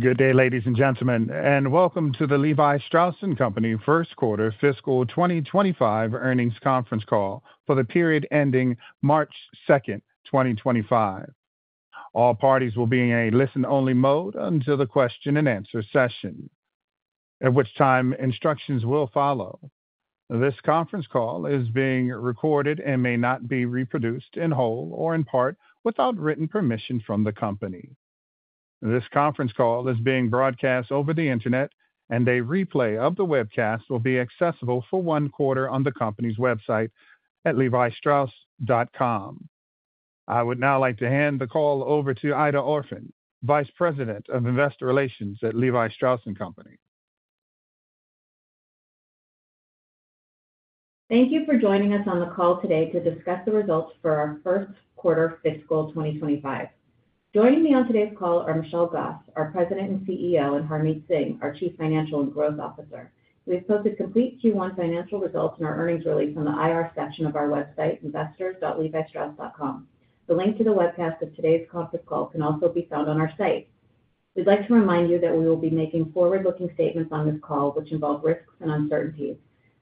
Good day, ladies and gentlemen, and welcome to the Levi Strauss & Co. First Quarter Fiscal 2025 Earnings Conference Call for the period ending March 2, 2025. All parties will be in a listen-only mode until the question-and-answer session, at which time instructions will follow. This conference call is being recorded and may not be reproduced in whole or in part without written permission from the company. This conference call is being broadcast over the internet, and a replay of the webcast will be accessible for one quarter on the company's website at levistrauss.com. I would now like to hand the call over to Aida Orphan, Vice President of Investor Relations at Levi Strauss & Co. Thank you for joining us on the call today to discuss the results for our First Quarter Fiscal 2025. Joining me on today's call are Michelle Gass, our President and Chief Executive Officer, and Harmit Singh, our Chief Financial and Growth Officer. We have posted complete First Quarter financial results and our earnings release on the IR section of our website, investors.levistrauss.com. The link to the webcast of today's conference call can also be found on our site. We'd like to remind you that we will be making forward-looking statements on this call, which involve risks and uncertainties.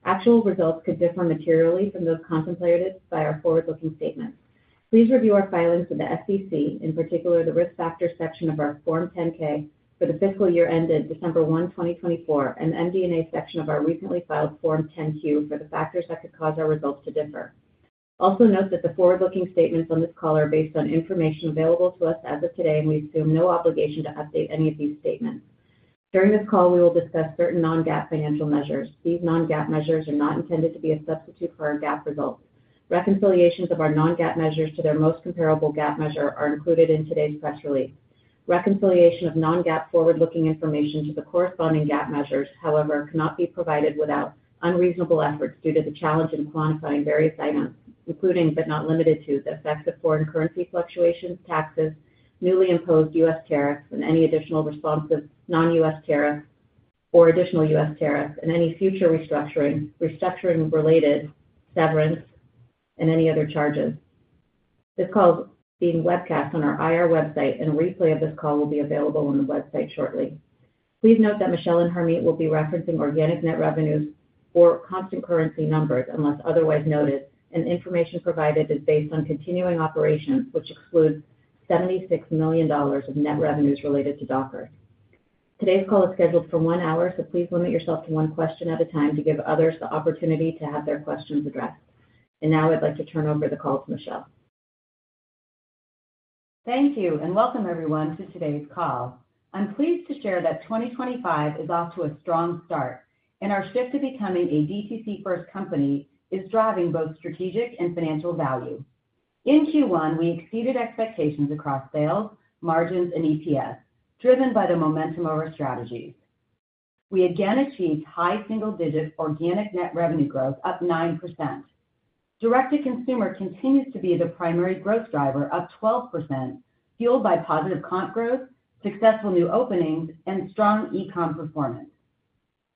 Actual results could differ materially from those contemplated by our forward-looking statements. Please review our filings with the SEC, in particular the risk factors section of our Form 10-K for the fiscal year ended December 1, 2024, and the MD&A section of our recently filed Form 10-Q for the factors that could cause our results to differ. Also note that the forward-looking statements on this call are based on information available to us as of today, and we assume no obligation to update any of these statements. During this call, we will discuss certain non-GAAP financial measures. These non-GAAP measures are not intended to be a substitute for our GAAP results. Reconciliations of our non-GAAP measures to their most comparable GAAP measure are included in today's press release. Reconciliation of non-GAAP forward-looking information to the corresponding GAAP measures, however, cannot be provided without unreasonable efforts due to the challenge in quantifying various items, including but not limited to the effects of foreign currency fluctuations, taxes, newly imposed U.S. tariffs, and any additional responsive non-U.S. tariffs or additional U.S. tariffs, and any future restructuring-related severance and any other charges. This call is being webcast on our IR website, and a replay of this call will be available on the website shortly. Please note that Michelle and Harmit will be referencing organic net revenues or constant currency numbers unless otherwise noted, and information provided is based on continuing operations, which excludes $76 million of net revenues related to Dockers. Today's call is scheduled for one hour, so please limit yourself to one question at a time to give others the opportunity to have their questions addressed. I would like to turn over the call to Michelle. Thank you and welcome, everyone, to today's call. I'm pleased to share that 2025 is off to a strong start, and our shift to becoming a direct-to-consumer-first (DTC) company is driving both strategic and financial value. In First Quarter, we exceeded expectations across sales, margins, and EPS, driven by the momentum of our strategies. We again achieved high single-digit organic net revenue growth, up 9%. Direct-to-consumer continues to be the primary growth driver, up 12%, fueled by positive comp growth, successful new openings, and strong e-commerce performance.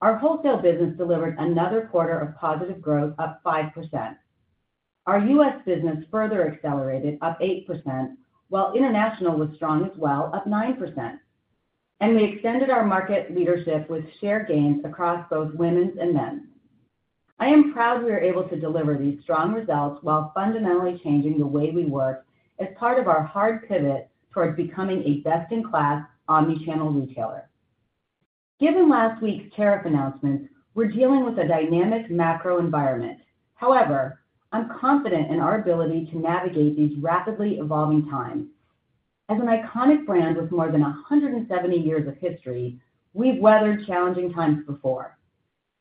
Our wholesale business delivered another quarter of positive growth, up 5%. Our U.S. business further accelerated, up 8%, while international was strong as well, up 9%. We extended our market leadership with share gains across both women's and men's. I am proud we are able to deliver these strong results while fundamentally changing the way we work as part of our hard pivot towards becoming a best-in-class omnichannel retailer. Given last week's tariff announcements, we're dealing with a dynamic macro environment. However, I'm confident in our ability to navigate these rapidly evolving times. As an iconic brand with more than 170 years of history, we've weathered challenging times before.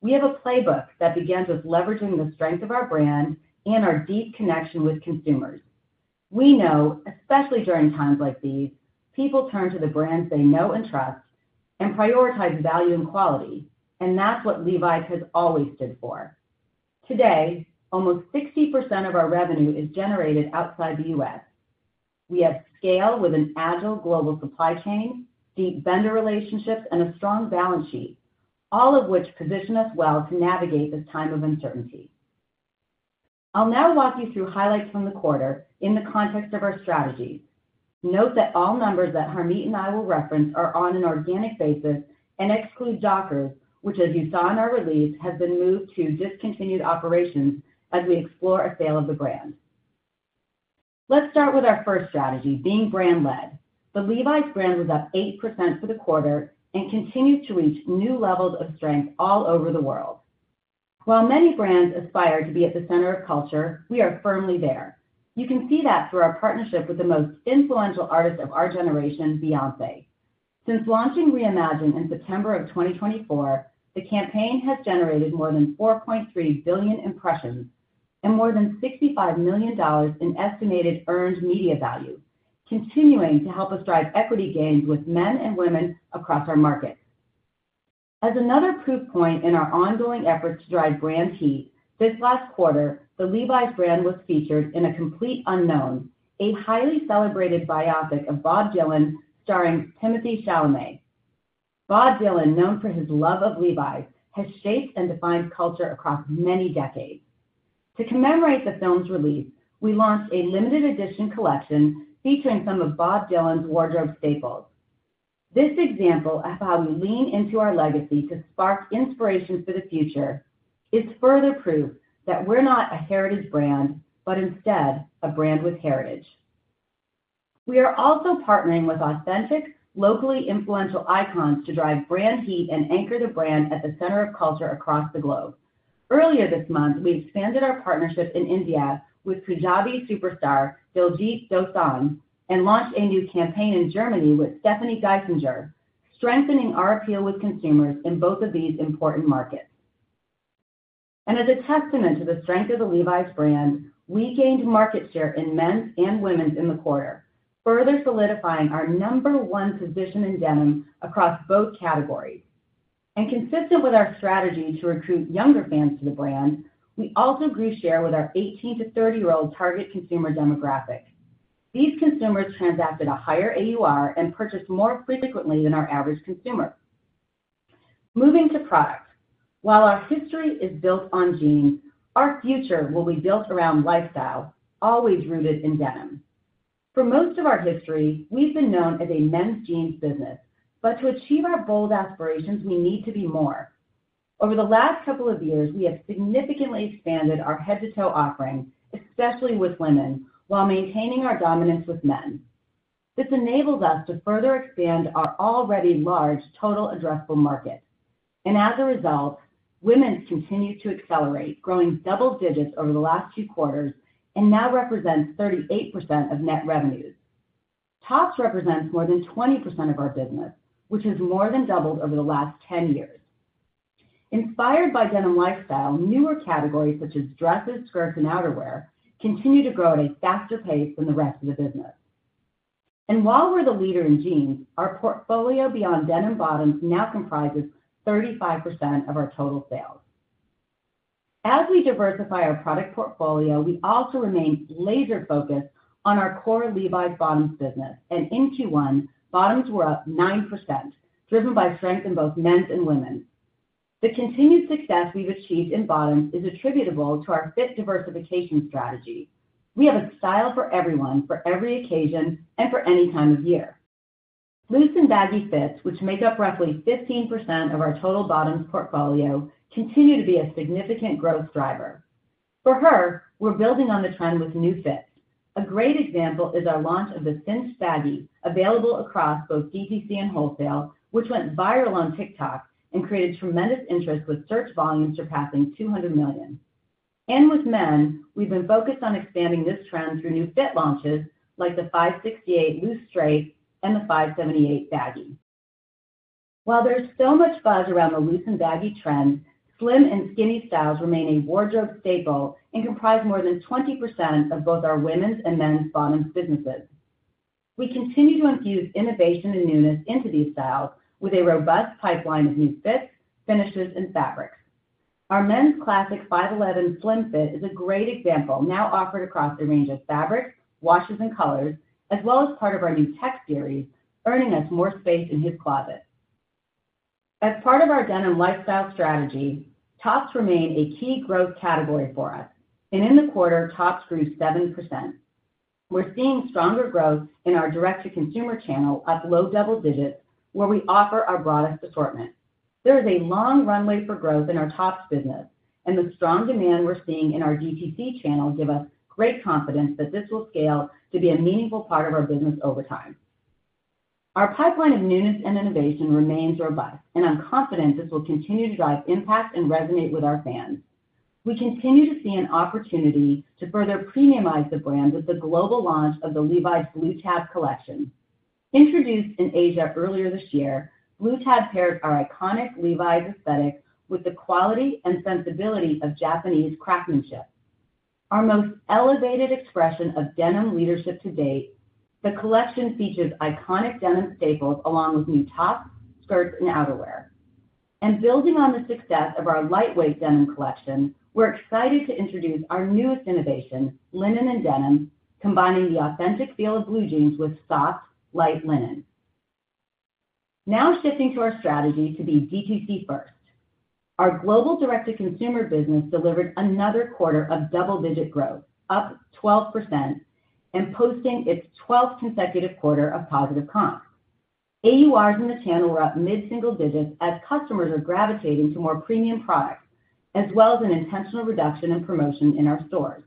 We have a playbook that begins with leveraging the strength of our brand and our deep connection with consumers. We know, especially during times like these, people turn to the brands they know and trust and prioritize value and quality, and that's what Levi's has always stood for. Today, almost 60% of our revenue is generated outside the U.S. We have scale with an agile global supply chain, deep vendor relationships, and a strong balance sheet, all of which position us well to navigate this time of uncertainty. I'll now walk you through highlights from the quarter in the context of our strategies. Note that all numbers that Harmit and I will reference are on an organic basis and exclude Dockers, which, as you saw in our release, has been moved to discontinued operations as we explore a sale of the brand. Let's start with our first strategy, being brand-led. The Levi's brand was up 8% for the quarter and continues to reach new levels of strength all over the world. While many brands aspire to be at the center of culture, we are firmly there. You can see that through our partnership with the most influential artist of our generation, Beyoncé. Since launching Reimagine in September of 2024, the campaign has generated more than 4.3 billion impressions and more than $65 million in estimated earned media value, continuing to help us drive equity gains with men and women across our market. As another proof point in our ongoing efforts to drive brand heat, this last quarter, the Levi's brand was featured in A Complete Unknown, a highly celebrated biopic of Bob Dylan starring Timothée Chalamet. Bob Dylan, known for his love of Levi's, has shaped and defined culture across many decades. To commemorate the film's release, we launched a limited edition collection featuring some of Bob Dylan's wardrobe staples. This example of how we lean into our legacy to spark inspiration for the future is further proof that we're not a heritage brand, but instead a brand with heritage. We are also partnering with authentic, locally influential icons to drive brand heat and anchor the brand at the center of culture across the globe. Earlier this month, we expanded our partnership in India with Punjabi superstar Diljit Dosanjh, and launched a new campaign in Germany with Stephanie Giesinger, strengthening our appeal with consumers in both of these important markets. As a testament to the strength of the Levi's brand, we gained market share in men's and women's in the quarter, further solidifying our number one position in denim across both categories. Consistent with our strategy to recruit younger fans to the brand, we also grew share with our 18- to 30-year-old target consumer demographic. These consumers transacted a higher average unit retail (AUR) and purchased more frequently than our average consumer. Moving to product, while our history is built on jeans, our future will be built around lifestyle, always rooted in denim. For most of our history, we've been known as a men's jeans business, but to achieve our bold aspirations, we need to be more. Over the last couple of years, we have significantly expanded our head-to-toe offering, especially with women, while maintaining our dominance with men. This enables us to further expand our already large total addressable market. As a result, women's continued to accelerate, growing double digits over the last few quarters and now represents 38% of net revenues. Tops represents more than 20% of our business, which has more than doubled over the last 10 years. Inspired by denim lifestyle, newer categories such as dresses, skirts, and outerwear continue to grow at a faster pace than the rest of the business. While we are the leader in jeans, our portfolio beyond denim bottoms now comprises 35% of our total sales. As we diversify our product portfolio, we also remain laser-focused on our core Levi's bottoms business, and in First Quarter, bottoms were up 9%, driven by strength in both men and women. The continued success we have achieved in bottoms is attributable to our fit diversification strategy. We have a style for everyone, for every occasion, and for any time of year. Loose and baggy fits, which make up roughly 15% of our total bottoms portfolio, continue to be a significant growth driver. For her, we are building on the trend with new fits. A great example is our launch of the Cinched Baggy, available across both DTC and wholesale, which went viral on TikTok and created tremendous interest with search volumes surpassing 200 million. With men, we've been focused on expanding this trend through new fit launches like the 568 Loose Straight and the 578 Baggy. While there's so much buzz around the loose and baggy trend, slim and skinny styles remain a wardrobe staple and comprise more than 20% of both our women's and men's bottoms businesses. We continue to infuse innovation and newness into these styles with a robust pipeline of new fits, finishes, and fabrics. Our men's classic 511 Slim Fit is a great example, now offered across a range of fabrics, washes, and colors, as well as part of our new tech series, earning us more space in his closet. As part of our denim lifestyle strategy, tops remain a key growth category for us, and in the quarter, tops grew 7%. We're seeing stronger growth in our direct-to-consumer channel, up low double digits, where we offer our broadest assortment. There is a long runway for growth in our tops business, and the strong demand we're seeing in our DTC channel gives us great confidence that this will scale to be a meaningful part of our business over time. Our pipeline of newness and innovation remains robust, and I'm confident this will continue to drive impact and resonate with our fans. We continue to see an opportunity to further premiumize the brand with the global launch of the Levi's Blue Tab Collection. Introduced in Asia earlier this year, Blue Tab paired our iconic Levi's aesthetic with the quality and sensibility of Japanese craftsmanship. Our most elevated expression of denim leadership to date, the collection features iconic denim staples along with new tops, skirts, and outerwear. Building on the success of our lightweight denim collection, we're excited to introduce our newest innovation, linen and denim, combining the authentic feel of blue jeans with soft, light linen. Now shifting to our strategy to be DTC-first, our global direct-to-consumer business delivered another quarter of double-digit growth, up 12%, and posting its twelfth consecutive quarter of positive comp. AURs in the channel were up mid-single digits as customers are gravitating to more premium products, as well as an intentional reduction in promotion in our stores.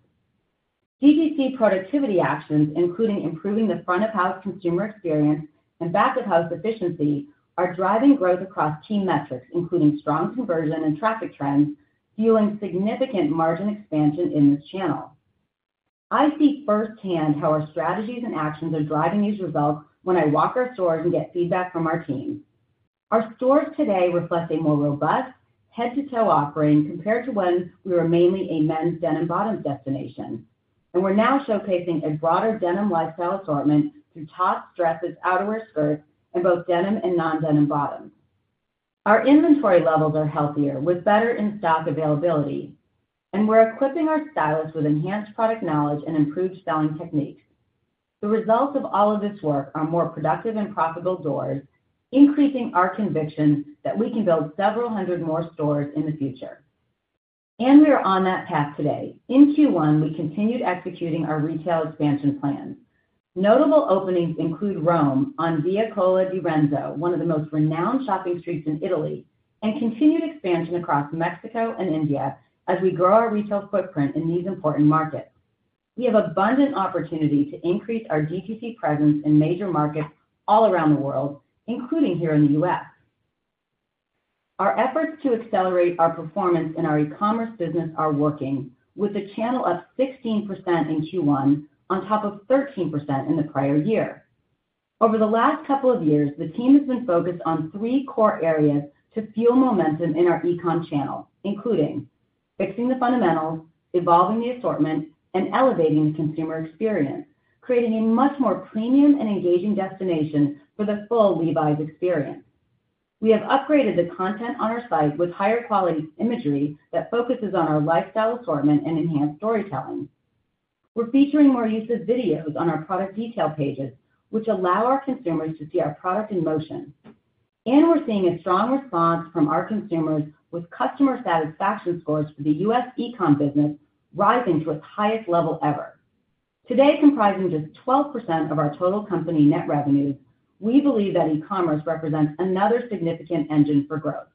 DTC productivity actions, including improving the front-of-house consumer experience and back-of-house efficiency, are driving growth across key metrics, including strong conversion and traffic trends, fueling significant margin expansion in this channel. I see firsthand how our strategies and actions are driving these results when I walk our stores and get feedback from our team. Our stores today reflect a more robust head-to-toe offering compared to when we were mainly a men's denim bottoms destination, and we're now showcasing a broader denim lifestyle assortment through tops, dresses, outerwear, skirts, and both denim and non-denim bottoms. Our inventory levels are healthier with better in-stock availability, and we're equipping our stylists with enhanced product knowledge and improved selling techniques. The results of all of this work are more productive and profitable doors, increasing our conviction that we can build several hundred more stores in the future. We are on that path today. In First Quarter, we continued executing our retail expansion plans. Notable openings include Rome on Via Cola di Rienzo, one of the most renowned shopping streets in Italy, and continued expansion across Mexico and India as we grow our retail footprint in these important markets. We have abundant opportunity to increase our DTC presence in major markets all around the world, including here in the U.S. Our efforts to accelerate our performance in our e-commerce business are working, with the channel up 16% in First Quarter on top of 13% in the prior year. Over the last couple of years, the team has been focused on three core areas to fuel momentum in our e-commerce channel, including fixing the fundamentals, evolving the assortment, and elevating the consumer experience, creating a much more premium and engaging destination for the full Levi's experience. We have upgraded the content on our site with higher quality imagery that focuses on our lifestyle assortment and enhanced storytelling. We're featuring more use of videos on our product detail pages, which allow our consumers to see our product in motion. We are seeing a strong response from our consumers, with customer satisfaction scores for the U.S. e-commerce business rising to its highest level ever. Today, comprising just 12% of our total company net revenues, we believe that e-commerce represents another significant engine for growth.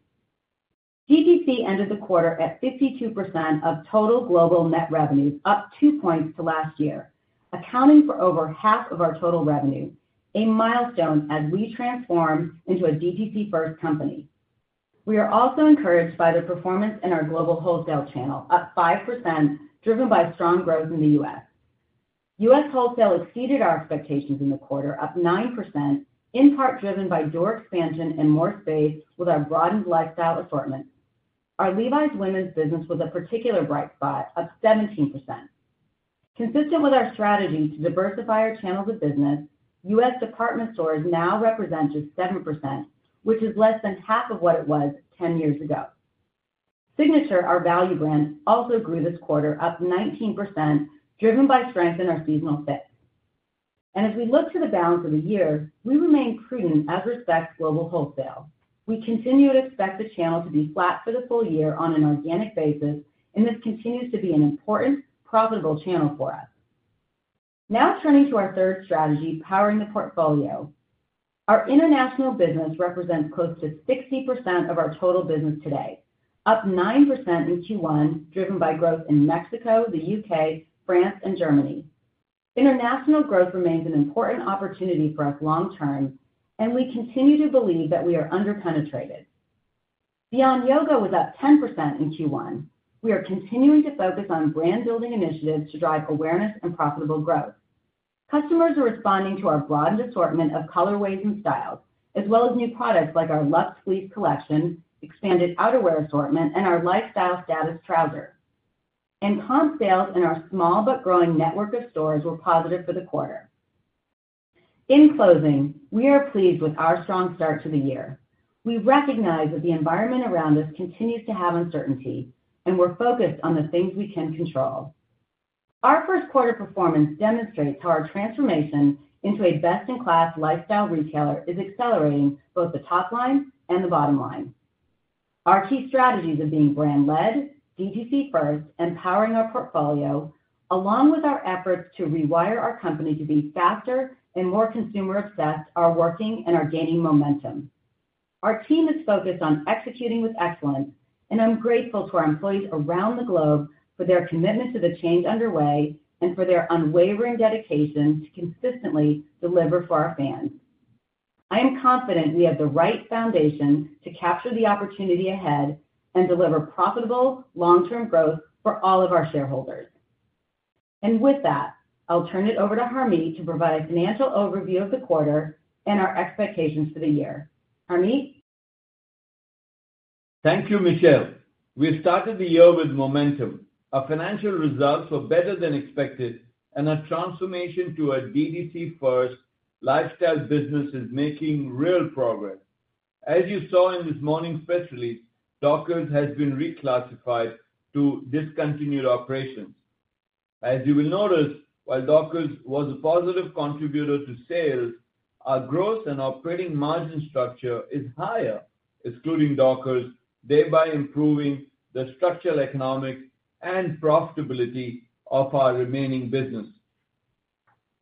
DTC ended the quarter at 52% of total global net revenues, up two points to last year, accounting for over half of our total revenue, a milestone as we transform into a DTC-first company. We are also encouraged by the performance in our global wholesale channel, up 5%, driven by strong growth in the U.S. U.S. wholesale exceeded our expectations in the quarter, up 9%, in part driven by door expansion and more space with our broadened lifestyle assortment. Our Levi's women's business was a particular bright spot, up 17%. Consistent with our strategy to diversify our channels of business, U.S. Department stores now represent just 7%, which is less than half of what it was 10 years ago. Signature, our value brand, also grew this quarter, up 19%, driven by strength in our seasonal fit. As we look to the balance of the year, we remain prudent as respects global wholesale. We continue to expect the channel to be flat for the full year on an organic basis, and this continues to be an important, profitable channel for us. Now turning to our third strategy, powering the portfolio, our international business represents close to 60% of our total business today, up 9% in First Quarter, driven by growth in Mexico, the U.K., France, and Germany. International growth remains an important opportunity for us long-term, and we continue to believe that we are underpenetrated. Beyond Yoga was up 10% in First Quarter. We are continuing to focus on brand-building initiatives to drive awareness and profitable growth. Customers are responding to our broadened assortment of colorways and styles, as well as new products like our Luxe Sleeve Collection, expanded outerwear assortment, and our Lifestyle Status Trouser. Comp sales in our small but growing network of stores were positive for the quarter. In closing, we are pleased with our strong start to the year. We recognize that the environment around us continues to have uncertainty, and we're focused on the things we can control. Our First Quarter performance demonstrates how our transformation into a best-in-class lifestyle retailer is accelerating both the top line and the bottom line. Our key strategies of being brand-led, DTC-first, and powering our portfolio, along with our efforts to rewire our company to be faster and more consumer-obsessed, are working and are gaining momentum. Our team is focused on executing with excellence, and I'm grateful to our employees around the globe for their commitment to the change underway and for their unwavering dedication to consistently deliver for our fans. I am confident we have the right foundation to capture the opportunity ahead and deliver profitable long-term growth for all of our shareholders. With that, I'll turn it over to Harmit to provide a financial overview of the quarter and our expectations for the year. Harmit? Thank you, Michelle. We started the year with momentum. Our financial results were better than expected, and our transformation to a DTC-first lifestyle business is making real progress. As you saw in this morning's press release, Dockers has been reclassified to discontinued operations. As you will notice, while Dockers was a positive contributor to sales, our gross and operating margin structure is higher, excluding Dockers, thereby improving the structural economics and profitability of our remaining business.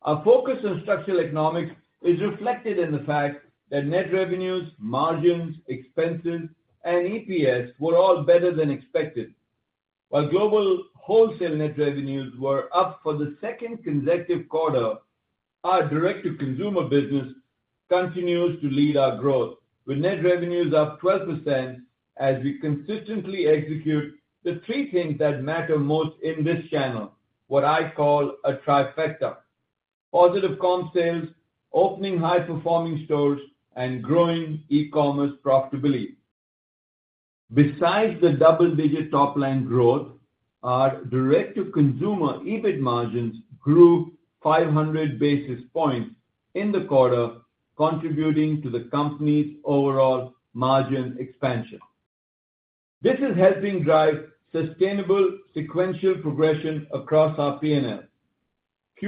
Our focus on structural economics is reflected in the fact that net revenues, margins, expenses, and earning per share (EPS) were all better than expected. While global wholesale net revenues were up for the second consecutive quarter, our direct-to-consumer business continues to lead our growth, with net revenues up 12% as we consistently execute the three things that matter most in this channel, what I call a trifecta: positive comp sales, opening high-performing stores, and growing e-commerce profitability. Besides the double-digit top-line growth, our direct-to-consumer EBIT margins grew 500 basis points in the quarter, contributing to the company's overall margin expansion. This is helping drive sustainable sequential progression across our P&L. First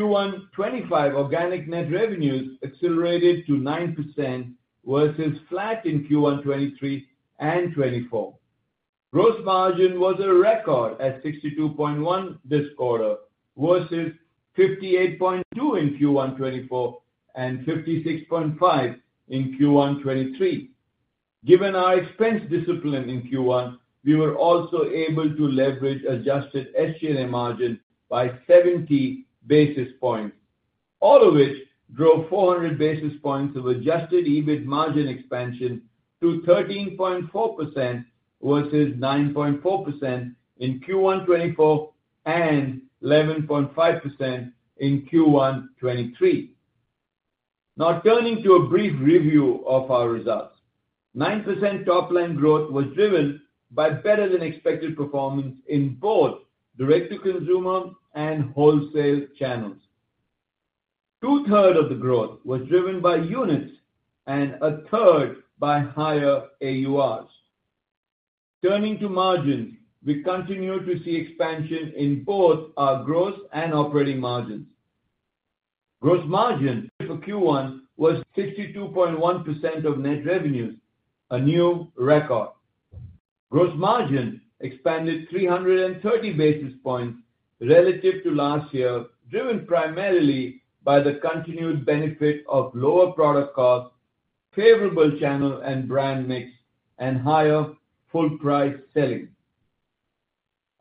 Quarter 2025 organic net revenues accelerated to 9% versus flat in First Quarter 2023 and 2024. Gross margin was a record at 62.1% this quarter versus 58.2% in First Quarter 2024 and 56.5% in First Quarter 2023. Given our expense discipline in First Quarter, we were also able to leverage adjusted SG&A margin by 70 basis points, all of which drove 400 basis points of adjusted EBIT margin expansion to 13.4% versus 9.4% in First Quarter 2024 and 11.5% in First Quarter 2023. Now turning to a brief review of our results, 9% top-line growth was driven by better-than-expected performance in both direct-to-consumer and wholesale channels. Two-thirds of the growth was driven by units and a third by higher AURs. Turning to margins, we continue to see expansion in both our gross and operating margins. Gross margin for First Quarter was 62.1% of net revenues, a new record. Gross margin expanded 330 basis points relative to last year, driven primarily by the continued benefit of lower product costs, favorable channel and brand mix, and higher full-price selling.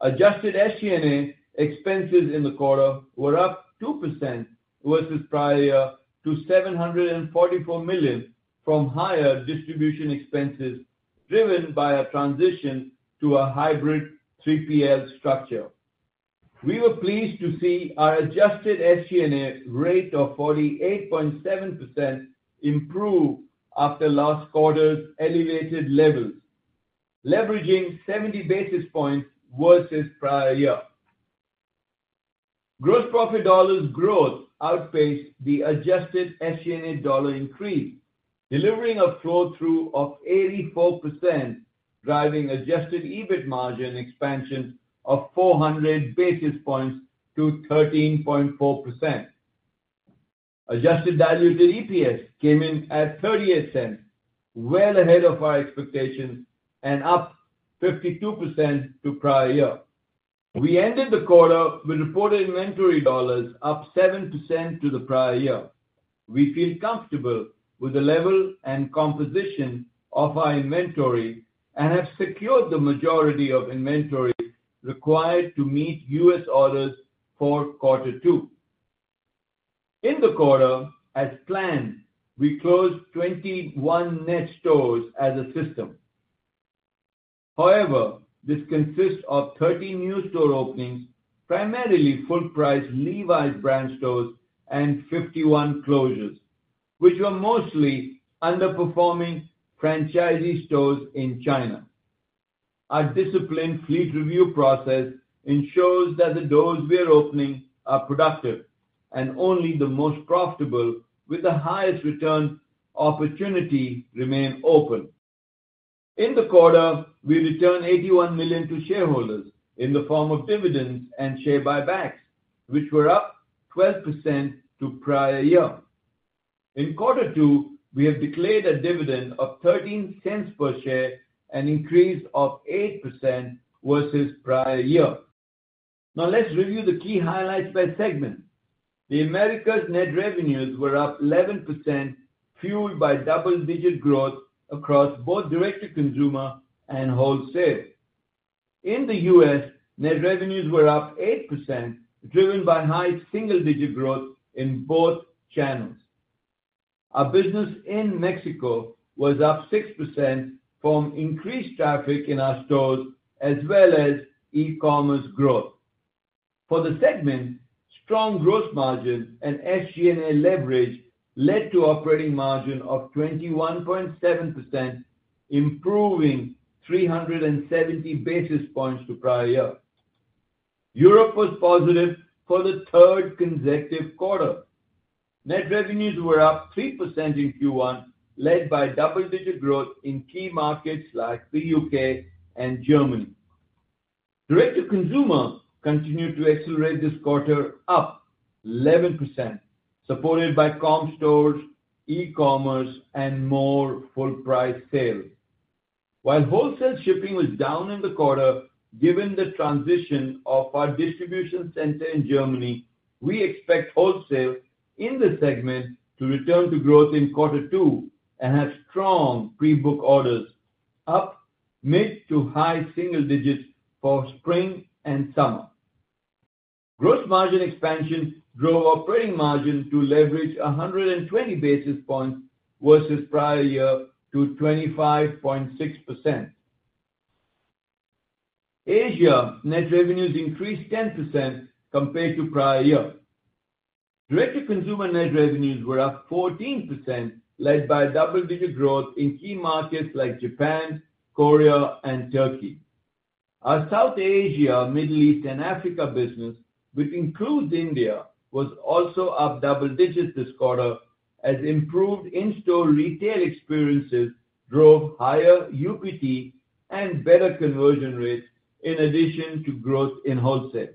Adjusted SG&A expenses in the quarter were up 2% versus prior year to $744 million from higher distribution expenses driven by a transition to a hybrid third-party logistics (3PL) structure. We were pleased to see our adjusted SG&A rate of 48.7% improve after last quarter's elevated levels, leveraging 70 basis points versus prior year. Gross profit dollars growth outpaced the adjusted SG&A dollar increase, delivering a flow-through of 84%, driving adjusted EBIT margin expansion of 400 basis points to 13.4%. Adjusted diluted EPS came in at $0.38, well ahead of our expectations and up 52% to prior year. We ended the quarter with reported inventory dollars up 7% to the prior year. We feel comfortable with the level and composition of our inventory and have secured the majority of inventory required to meet U.S. orders for Second Quarter. In the quarter, as planned, we closed 21 net stores as a system. However, this consists of 13 new store openings, primarily full-price Levi's brand stores, and 51 closures, which were mostly underperforming franchisee stores in China. Our disciplined fleet review process ensures that the doors we are opening are productive and only the most profitable with the highest return opportunity remain open. In the quarter, we returned $81 million to shareholders in the form of dividends and share buybacks, which were up 12% to prior year. In Second Quarter, we have declared a dividend of $0.13 per share, an increase of 8% versus prior year. Now let's review the key highlights by segment. The Americas net revenues were up 11%, fueled by double-digit growth across both direct-to-consumer and wholesale. In the U.S., net revenues were up 8%, driven by high single-digit growth in both channels. Our business in Mexico was up 6% from increased traffic in our stores as well as e-commerce growth. For the segment, strong gross margin and SG&A leverage led to operating margin of 21.7%, improving 370 basis points to prior year. Europe was positive for the third consecutive quarter. Net revenues were up 3% in First Quarter, led by double-digit growth in key markets like the U.K. and Germany. Direct-to-consumer continued to accelerate this quarter up 11%, supported by comp stores, e-commerce, and more full-price sales. While wholesale shipping was down in the quarter, given the transition of our distribution center in Germany, we expect wholesale in the segment to return to growth in Second Quarter and have strong pre-book orders, up mid to high single digits for spring and summer. Gross margin expansion drove operating margin to leverage 120 basis points versus prior year to 25.6%. Asia net revenues increased 10% compared to prior year. Direct-to-consumer net revenues were up 14%, led by double-digit growth in key markets like Japan, Korea, and Turkey. Our South Asia, Middle East, and Africa business, which includes India, was also up double digits this quarter as improved in-store retail experiences drove higher unit per transection (UPT) and better conversion rates in addition to growth in wholesale.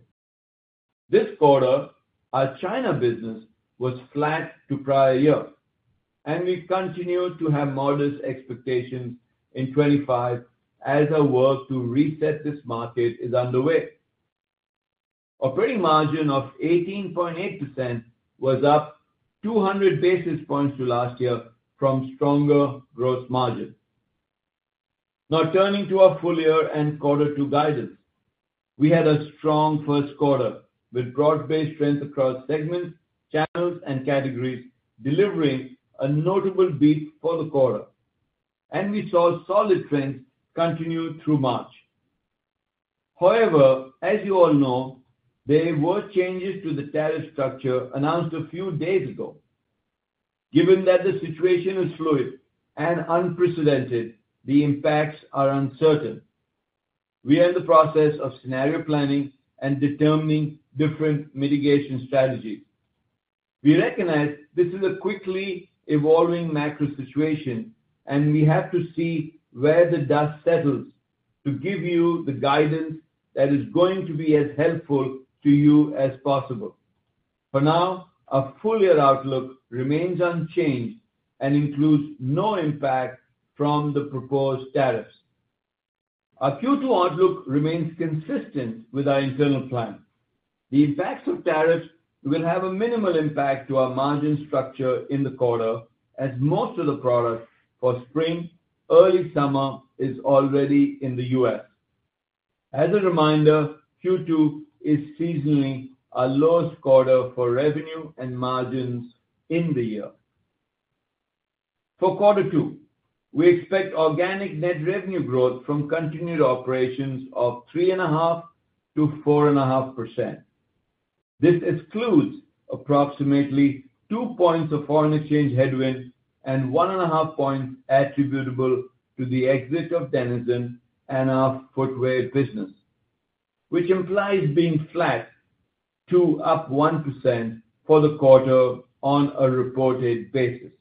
This quarter, our China business was flat to prior year, and we continue to have modest expectations in 2025 as our work to reset this market is underway. Operating margin of 18.8% was up 200 basis points to last year from stronger gross margin. Now turning to our full year and Second Quarter guidance, we had a strong First Quarter with broad-based strength across segments, channels, and categories, delivering a notable beat for the quarter, and we saw solid trends continue through March. However, as you all know, there were changes to the tariff structure announced a few days ago. Given that the situation is fluid and unprecedented, the impacts are uncertain. We are in the process of scenario planning and determining different mitigation strategies. We recognize this is a quickly evolving macro situation, and we have to see where the dust settles to give you the guidance that is going to be as helpful to you as possible. For now, our full year outlook remains unchanged and includes no impact from the proposed tariffs. Our Second Quarter outlook remains consistent with our internal plan. The impacts of tariffs will have a minimal impact on our margin structure in the quarter, as most of the product for spring, early summer is already in the U.S. As a reminder, Second Quarter is seasonally our lowest quarter for revenue and margins in the year. For Second Quarter, we expect organic net revenue growth from continued operations of 3.5%-4.5%. This excludes approximately two points of foreign exchange headwinds and 1.5 points attributable to the exit of Denizen and our footwear business, which implies being flat to up 1% for the quarter on a reported basis.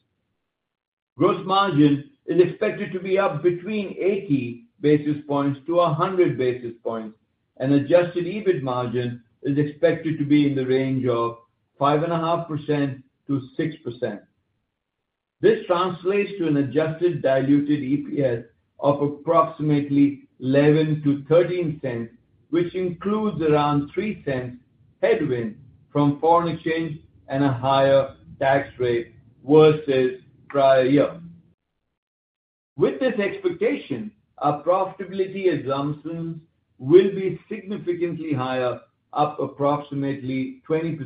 Gross margin is expected to be up between 80 basis points to 100 basis points, and adjusted EBIT margin is expected to be in the range of 5.5% to 6%. This translates to an adjusted diluted EPS of approximately $0.11 to $0.13, which includes around $0.03 headwind from foreign exchange and a higher tax rate versus prior year. With this expectation, our profitability assumptions will be significantly higher, up approximately 20%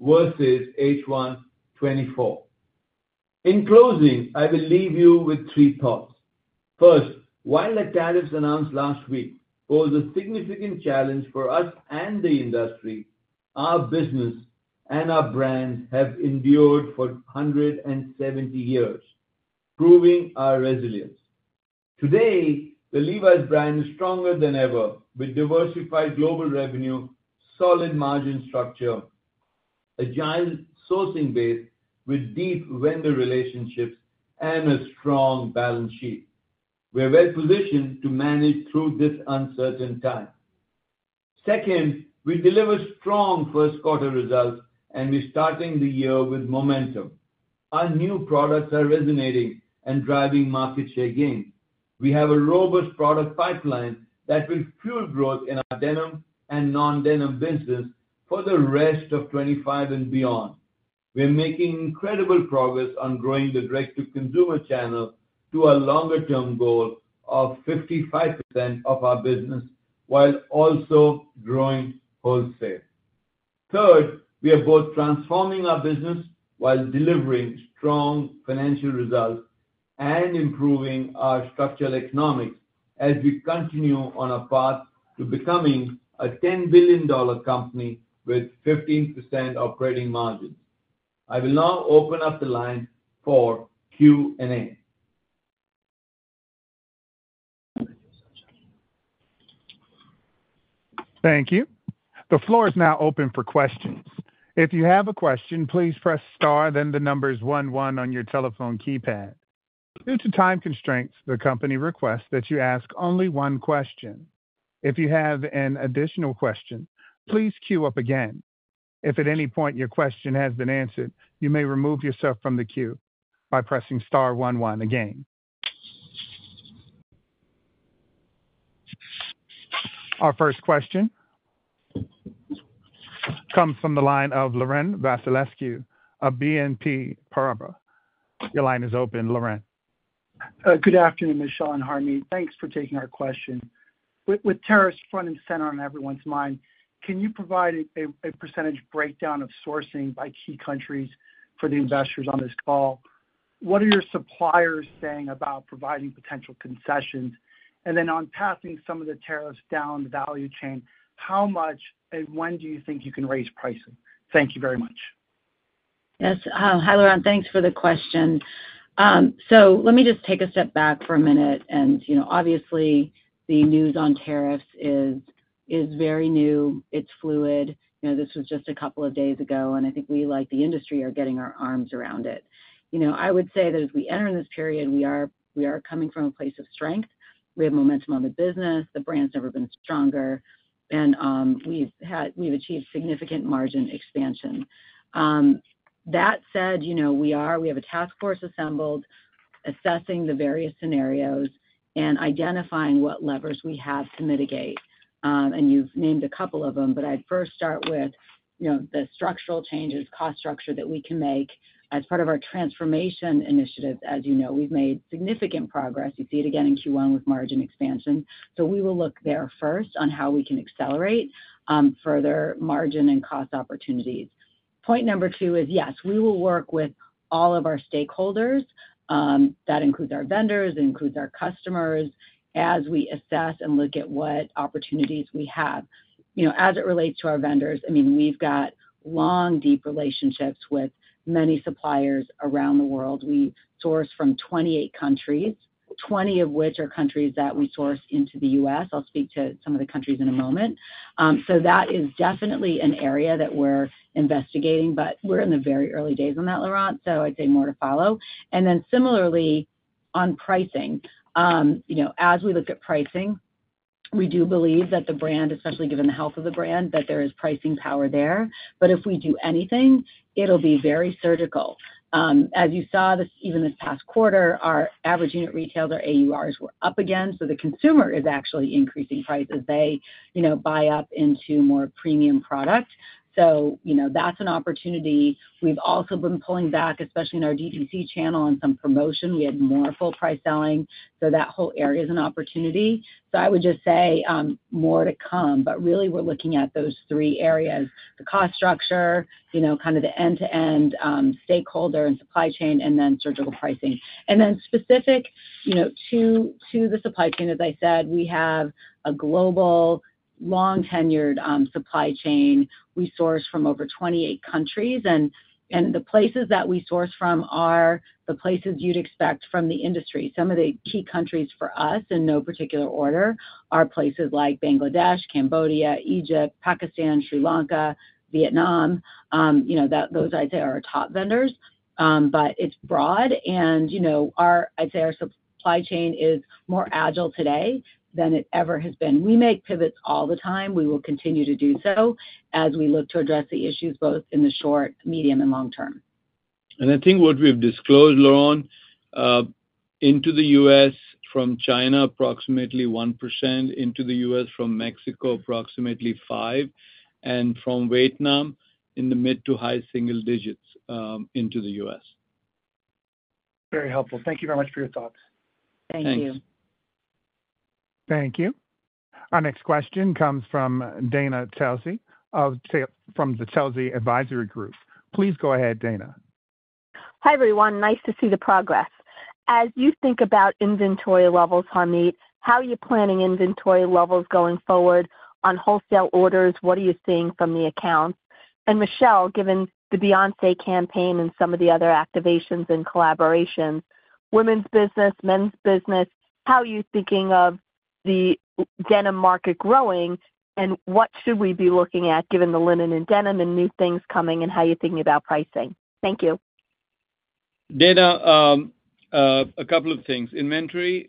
versus First Half 2024. In closing, I will leave you with three thoughts. First, while the tariffs announced last week pose a significant challenge for us and the industry, our business and our brand have endured for 170 years, proving our resilience. Today, the Levi's brand is stronger than ever with diversified global revenue, solid margin structure, agile sourcing base with deep vendor relationships, and a strong balance sheet. We are well positioned to manage through this uncertain time. Second, we deliver strong First Quarter results, and we are starting the year with momentum. Our new products are resonating and driving market share gains. We have a robust product pipeline that will fuel growth in our denim and non-denim business for the rest of 2025 and beyond. We are making incredible progress on growing the direct-to-consumer channel to our longer-term goal of 55% of our business while also growing wholesale. Third, we are both transforming our business while delivering strong financial results and improving our structural economics as we continue on our path to becoming a $10 billion company with 15% operating margins. I will now open up the line for Question and Answer (Q&A). Thank you. The floor is now open for questions. If you have a question, please press star, then the numbers 11 on your telephone keypad. Due to time constraints, the company requests that you ask only one question. If you have an additional question, please queue up again. If at any point your question has been answered, you may remove yourself from the queue by pressing star 11 again. Our first question comes from the line of Laurent Vasilescu of BNP Paribas. Your line is open, Loren. Good afternoon, Michelle and Harmit. Thanks for taking our question. With tariffs front and center on everyone's mind, can you provide a percentage breakdown of sourcing by key countries for the investors on this call? What are your suppliers saying about providing potential concessions? On passing some of the tariffs down the value chain, how much and when do you think you can raise pricing? Thank you very much. Yes. Hi, Laurent. Thanks for the question. Let me just take a step back for a minute. Obviously, the news on tariffs is very new. It's fluid. This was just a couple of days ago, and I think we, like the industry, are getting our arms around it. I would say that as we enter in this period, we are coming from a place of strength. We have momentum on the business. The brand's never been stronger, and we've achieved significant margin expansion. That said, we have a task force assembled assessing the various scenarios and identifying what levers we have to mitigate. You've named a couple of them, but I'd first start with the structural changes, cost structure that we can make as part of our transformation initiative. As you know, we've made significant progress. You see it again in First Quarter with margin expansion. We will look there first on how we can accelerate further margin and cost opportunities. Point number two is, yes, we will work with all of our stakeholders. That includes our vendors. It includes our customers as we assess and look at what opportunities we have. As it relates to our vendors, I mean, we've got long, deep relationships with many suppliers around the world. We source from 28 countries, 20 of which are countries that we source into the U.S. I'll speak to some of the countries in a moment. That is definitely an area that we're investigating, but we're in the very early days on that, Laurent. I'd say more to follow. Similarly on pricing, as we look at pricing, we do believe that the brand, especially given the health of the brand, that there is pricing power there. If we do anything, it'll be very surgical. As you saw even this past quarter, our average unit retailer, AURs, were up again. The consumer is actually increasing prices. They buy up into more premium products. That's an opportunity. We've also been pulling back, especially in our DTC channel on some promotion. We had more full-price selling. That whole area is an opportunity. I would just say more to come. Really, we're looking at those three areas: the cost structure, kind of the end-to-end stakeholder and supply chain, and then surgical pricing. Specific to the supply chain, as I said, we have a global, long-tenured supply chain. We source from over 28 countries. The places that we source from are the places you'd expect from the industry. Some of the key countries for us, in no particular order, are places like Bangladesh, Cambodia, Egypt, Pakistan, Sri Lanka, Vietnam. Those, I'd say, are our top vendors. It is broad. I'd say our supply chain is more agile today than it ever has been. We make pivots all the time. We will continue to do so as we look to address the issues both in the short, medium, and long term. I think what we've disclosed, Laurent, into the U.S. from China, approximately 1%; into the U.S. from Mexico, approximately 5%; and from Vietnam, in the mid to high single digits into the U.S. Very helpful. Thank you very much for your thoughts. Thank you. Thanks. Thank you. Our next question comes from Dana Telsey from the Telsey Advisory Group. Please go ahead, Dana. Hi, everyone. Nice to see the progress. As you think about inventory levels, Harmit, how are you planning inventory levels going forward on wholesale orders? What are you seeing from the accounts? And Michelle, given the Beyoncé campaign and some of the other activations and collaborations, women's business, men's business, how are you thinking of the denim market growing? What should we be looking at given the linen and denim and new things coming? How are you thinking about pricing? Thank you. Dana, a couple of things. Inventory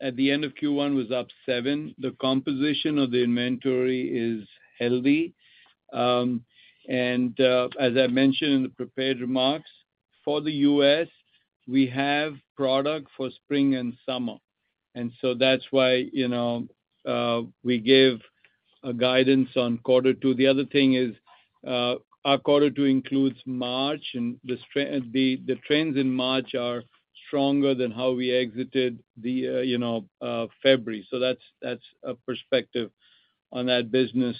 at the end of First Quarter was up 7%. The composition of the inventory is healthy. As I mentioned in the prepared remarks, for the U.S., we have product for spring and summer. That is why we gave guidance on Second Quarter. The other thing is our Second Quarter includes March, and the trends in March are stronger than how we exited February. That is a perspective on that business.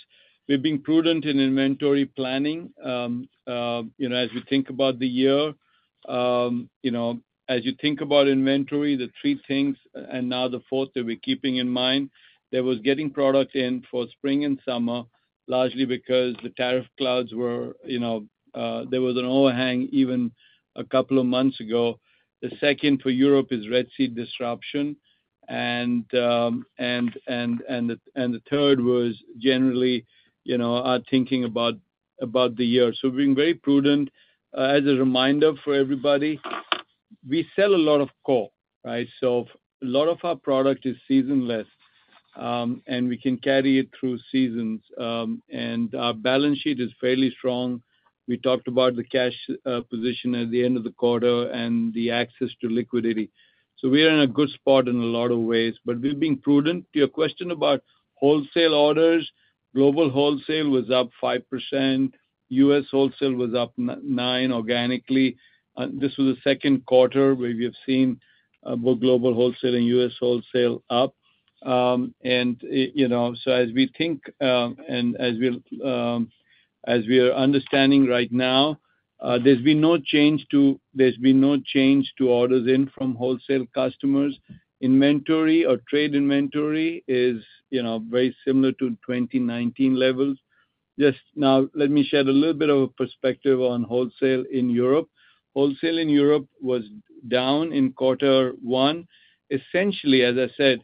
We have been prudent in inventory planning as we think about the year. As you think about inventory, the three things, and now the fourth that we are keeping in mind, there was getting product in for spring and summer, largely because the tariff clouds were there was an overhang even a couple of months ago. The second for Europe is Red Sea disruption. The third was generally our thinking about the year. We have been very prudent. As a reminder for everybody, we sell a lot of coal, right? A lot of our product is seasonless, and we can carry it through seasons. Our balance sheet is fairly strong. We talked about the cash position at the end of the quarter and the access to liquidity. We are in a good spot in a lot of ways. We've been prudent. Your question about wholesale orders, global wholesale was up 5%. U.S. wholesale was up 9% organically. This was the Second Quarter where we have seen both global wholesale and U.S. wholesale up. As we think and as we are understanding right now, there's been no change to orders in from wholesale customers. Inventory or trade inventory is very similar to 2019 levels. Let me share a little bit of a perspective on wholesale in Europe. Wholesale in Europe was down in First Quarter. Essentially, as I said,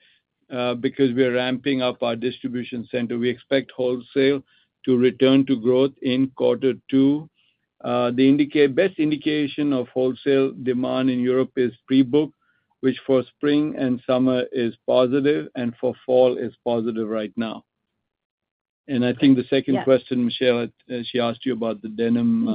because we are ramping up our distribution center, we expect wholesale to return to growth in Second Quarter. The best indication of wholesale demand in Europe is pre-book, which for spring and summer is positive, and for fall is positive right now. I think the second question, Michelle, she asked you about the denim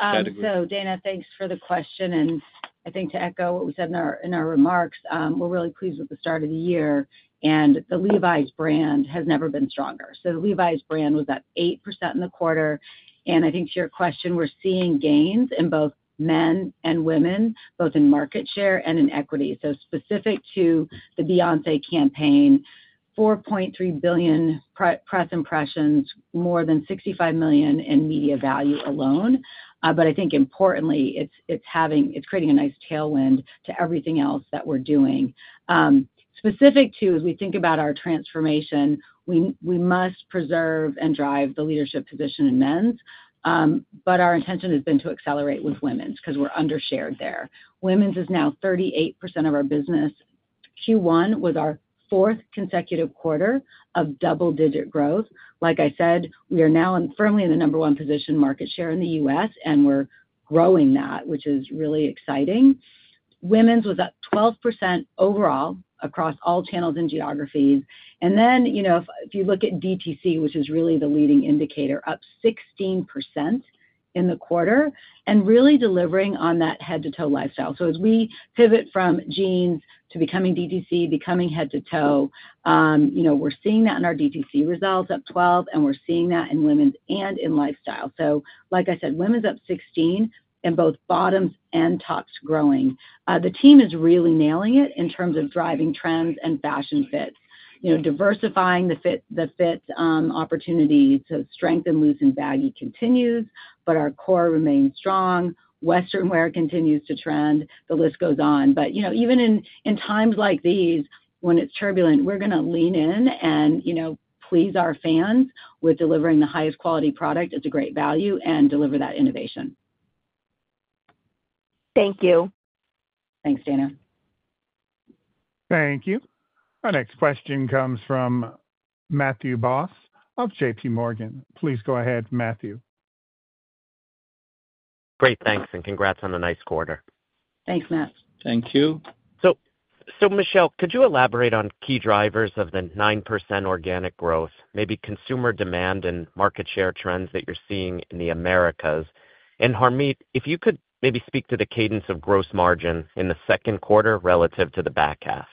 category. Yes. Dana, thanks for the question. I think to echo what we said in our remarks, we're really pleased with the start of the year. The Levi's brand has never been stronger. The Levi's brand was up 8% in the quarter. I think to your question, we're seeing gains in both men and women, both in market share and in equity. Specific to the Beyoncé campaign, 4.3 billion press impressions, more than $65 million in media value alone. I think importantly, it's creating a nice tailwind to everything else that we're doing. Specific to, as we think about our transformation, we must preserve and drive the leadership position in men's. Our intention has been to accelerate with women's because we're undershared there. Women's is now 38% of our business. First Quarter was our fourth consecutive quarter of double-digit growth. Like I said, we are now firmly in the number one position market share in the U.S., and we're growing that, which is really exciting. Women's was up 12% overall across all channels and geographies. If you look at DTC, which is really the leading indicator, up 16% in the quarter and really delivering on that head-to-toe lifestyle. As we pivot from jeans to becoming DTC, becoming head-to-toe, we're seeing that in our DTC results up 12, and we're seeing that in women's and in lifestyle. Like I said, women's up 16 in both bottoms and tops growing. The team is really nailing it in terms of driving trends and fashion fits, diversifying the fit opportunities. Strength in loose and baggy continues, but our core remains strong. Western wear continues to trend. The list goes on. Even in times like these, when it's turbulent, we're going to lean in and please our fans with delivering the highest quality product at a great value and deliver that innovation. Thank you. Thanks, Dana. Thank you. Our next question comes from Matthew Boss of JPMorgan. Please go ahead, Matthew. Great. Thanks. And congrats on a nice quarter. Thanks, Matt. Thank you. Michelle, could you elaborate on key drivers of the 9% organic growth, maybe consumer demand and market share trends that you're seeing in the Americas? Harmeet, if you could maybe speak to the cadence of gross margin in the Second Quarter relative to the back half.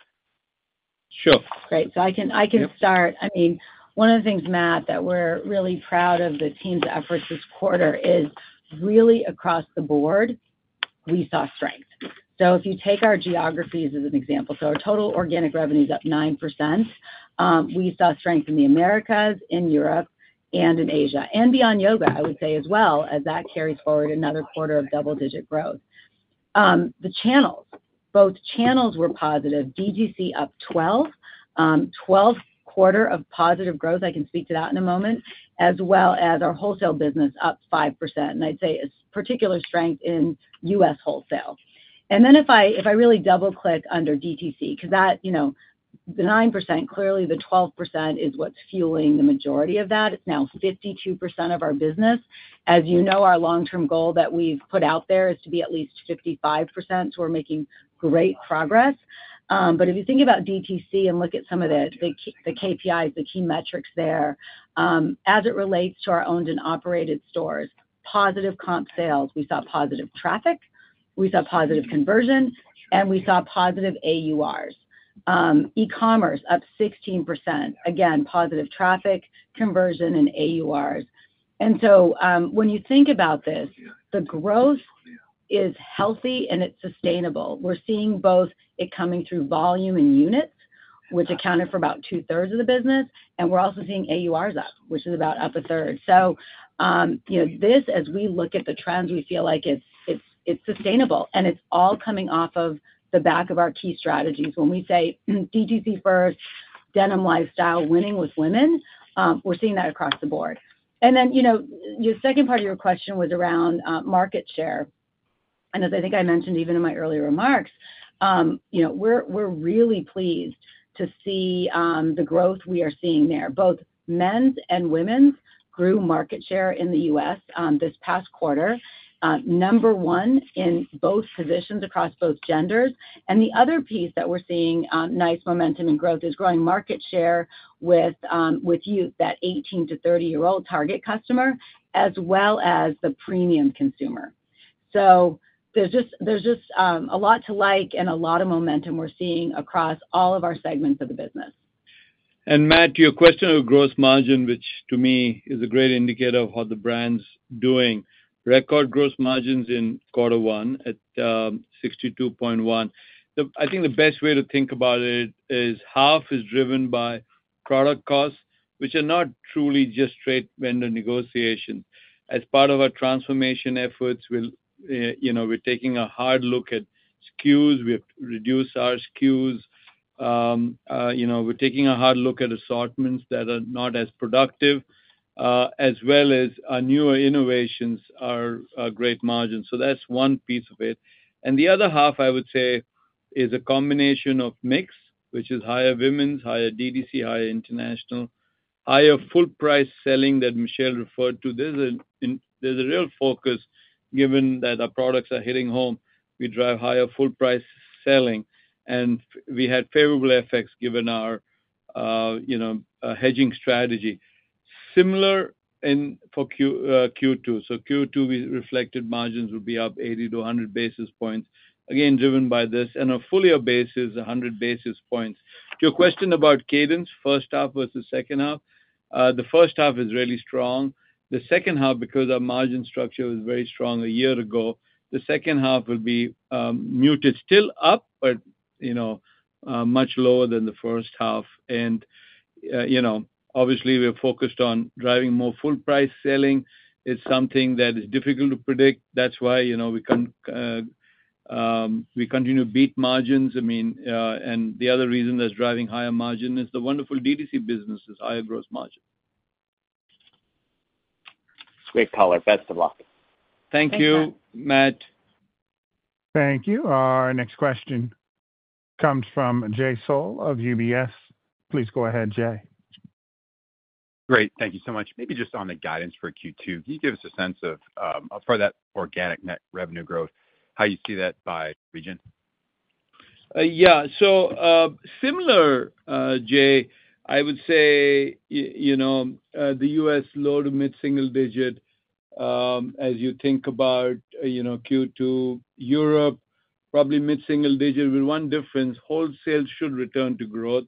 Sure. Great. I can start. I mean, one of the things, Matt, that we're really proud of the team's efforts this quarter is really across the board, we saw strength. If you take our geographies as an example, our total organic revenue is up 9%. We saw strength in the Americas, in Europe, and in Asia. Beyond Yoga, I would say as well, as that carries forward another quarter of double-digit growth. The channels, both channels were positive. DTC up 12, twelfth quarter of positive growth. I can speak to that in a moment, as well as our wholesale business up 5%. I'd say particular strength in U.S. wholesale. If I really double-click under DTC, because the 9%, clearly the 12% is what's fueling the majority of that. It's now 52% of our business. As you know, our long-term goal that we've put out there is to be at least 55%. We're making great progress. If you think about DTC and look at some of the KPIs, the key metrics there, as it relates to our owned and operated stores, positive comp sales, we saw positive traffic, we saw positive conversion, and we saw positive AURs. E-commerce up 16%. Again, positive traffic, conversion, and AURs. When you think about this, the growth is healthy and it's sustainable. We're seeing both it coming through volume and units, which accounted for about two-thirds of the business. We're also seeing AURs up, which is about up a third. As we look at the trends, we feel like it's sustainable. It's all coming off of the back of our key strategies. When we say DTC first, denim lifestyle winning with women, we're seeing that across the board. The second part of your question was around market share. As I think I mentioned even in my earlier remarks, we're really pleased to see the growth we are seeing there. Both men's and women's grew market share in the U.S. this past quarter, number one in both positions across both genders. The other piece that we're seeing nice momentum and growth is growing market share with youth, that 18 to 30-year-old target customer, as well as the premium consumer. There is just a lot to like and a lot of momentum we're seeing across all of our segments of the business. Matt, to your question of gross margin, which to me is a great indicator of how the brand's doing, record Gross Margins in First Quarter at 62.1%. I think the best way to think about it is half is driven by product costs, which are not truly just straight vendor negotiations. As part of our transformation efforts, we're taking a hard look at stock keeping units (SKUs). We have reduced our SKUs. We're taking a hard look at assortments that are not as productive, as well as our newer innovations are great margins. That is one piece of it. The other half, I would say, is a combination of mix, which is higher women's, higher DTC, higher international, higher full-price selling that Michelle referred to. There is a real focus given that our products are hitting home. We drive higher full-price selling. We had favorable effects given our hedging strategy. Similar for Second Quarter. Second Quarter, we reflected margins would be up 80 basis points to 100 basis points, again driven by this. A fullier base is 100 basis points. To your question about cadence, First Half versus Second Half, the First Half is really strong. The Second Half, because our margin structure was very strong a year ago, the second half will be muted. Still up, but much lower than the First Half. Obviously, we are focused on driving more full-price selling. It is something that is difficult to predict. That is why we continue to beat margins. The other reason that's driving higher margin is the wonderful DTC businesses, higher gross margin. Great caller. Best of luck. Thank you, Matt. Thank you. Our next question comes from Jay Sole of UBS. Please go ahead, Jay. Great. Thank you so much. Maybe just on the guidance for Second Quarter, can you give us a sense of, for that organic net revenue growth, how you see that by region? Similar, Jay, I would say the U.S. low-to-mid-single digit as you think about Second Quarter. Europe probably mid-single digit with one difference. Wholesale should return to growth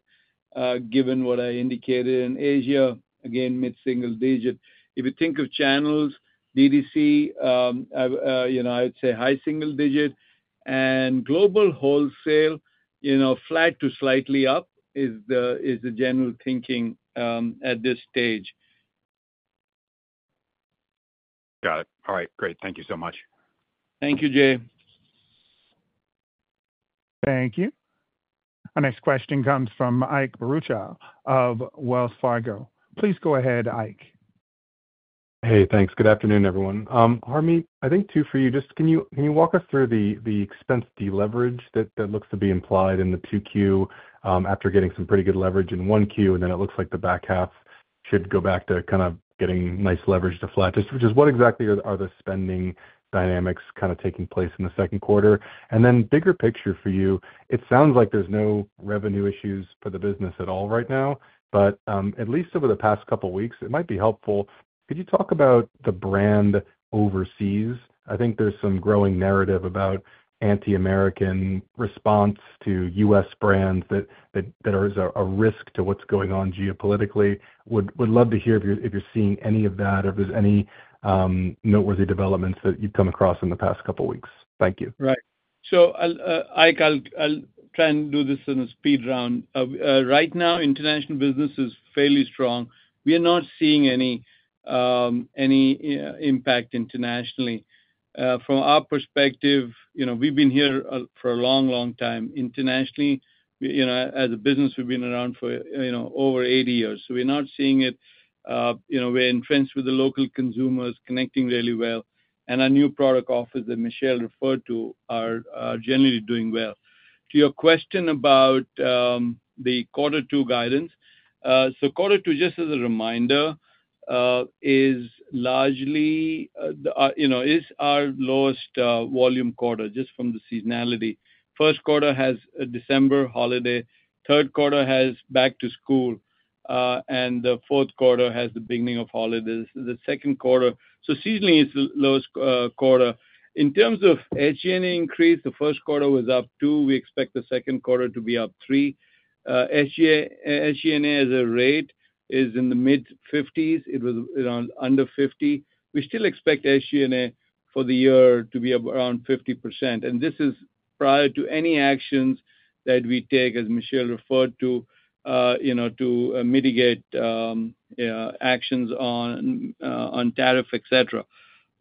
given what I indicated in Asia. Again, mid-single digit. If you think of channels, DTC, I would say high single digit. And global wholesale, flat to slightly up is the general thinking at this stage. Got it. All right. Great. Thank you so much. Thank you, Jay. Thank you. Our next question comes from Ike Boruchow of Wells Fargo. Please go ahead, Ike. Hey, thanks. Good afternoon, everyone. Harmit, I think two for you. Just can you walk us through the expense deleverage that looks to be implied in the Second Quarter after getting some pretty good leverage in First Quarter, and then it looks like the Back Half should go back to kind of getting nice leverage to flat? Just what exactly are the spending dynamics kind of taking place in the Second Quarter? And then bigger picture for you, it sounds like there's no revenue issues for the business at all right now, but at least over the past couple of weeks, it might be helpful. Could you talk about the brand overseas? I think there's some growing narrative about anti-American response to U.S. brands that is a risk to what's going on geopolitically. Would love to hear if you're seeing any of that or if there's any noteworthy developments that you've come across in the past couple of weeks? Thank you Right. Ike, I'll try and do this in a speedrun. Right now, international business is fairly strong. We are not seeing any impact internationally. From our perspective, we've been here for a long, long time. Internationally, as a business, we've been around for over 80 years. So we're not seeing it. We're entrenched with the local consumers connecting really well and our new product offers that Michelle referred to are generally doing well. To your question about the Second Quarter guidance, so Second Quarter, just as a reminder, is largely -- is our lowest volume quarter just from the seasonality. First quarter has a December holiday, third quarter has back-to-school and the fourth quarter has the beginning of holidays, Second Quarter. So seasonally it's the lowest quarter. In terms of SG&A increase, the First Quarter was up 2%. We expect the Second Quarterto be up 3%. SGA -- SG&A as a rate is in the mid-50s. It was around under 50. We still expect SG&A for the year to be around 50%. And this is prior to any actions that we take as Michelle referred to mitigate actions on tariff, et cetera.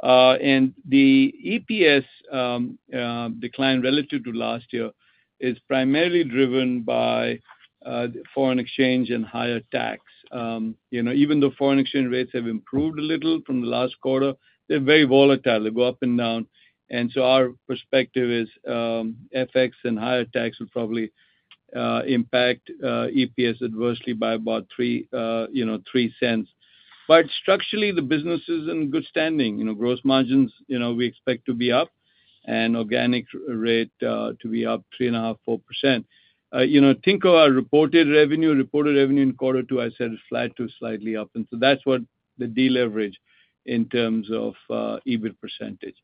And the EPS decline relative to last year is primarily driven by the foreign exchange and higher tax. Even though foreign exchange rates have improved a little from the last quarter, they're very volatile. They go up and down. And so our perspective is FX and higher tax will probably impact EPS adversely by about $0.03. But structurally, the business is in good standing. Gross Margins, we expect to be up and organic rate to be up 3.5% to 4%. Think of our reported revenue. Reported revenue in Second Quarter, I said, is flat to slightly up. That is what the deleverage in terms of EBIT percentage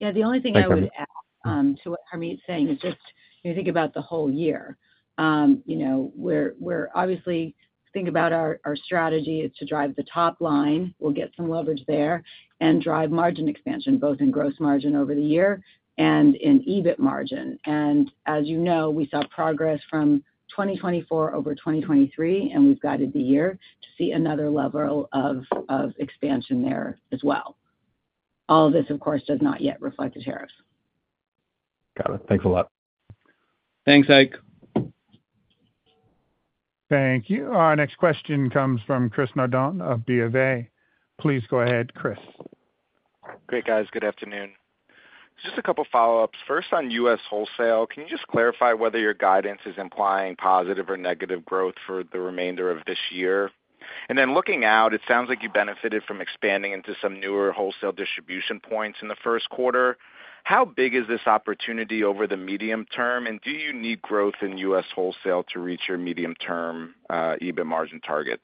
is. The only thing I would add to what Harmit is saying is just when you think about the whole year, we are obviously thinking about our strategy is to drive the Top line. We will get some leverage there and drive Margin Expansion, both in Gross Margin over the year and in EBIT margin. As you know, we saw progress from 2024 over 2023, and we have guided the year to see another level of expansion there as well. All of this, of course, does not yet reflect the tariffs. Got it. Thanks a lot. Thanks, Ike. Thank you. Our next question comes from Chris Nardone of Bank of America. Please go ahead, Chris. Great, guys. Good afternoon. Just a couple of follow-ups. First, on U.S. wholesale, can you just clarify whether your guidance is implying positive or negative growth for the remainder of this year? Looking out, it sounds like you benefited from expanding into some newer wholesale distribution points in the first quarter. How big is this opportunity over the medium term? Do you need growth in U.S. wholesale to reach your medium-term EBIT margin targets?